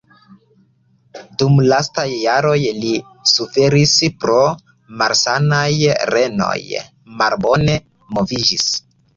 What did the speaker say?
Dum lastaj jaroj li suferis pro malsanaj renoj, malbone moviĝis.